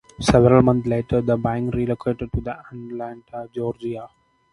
Several months later, the bank relocated to Atlanta, Georgia.